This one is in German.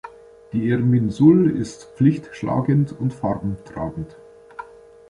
Die Irminsul ist pflichtschlagend und farbentragend.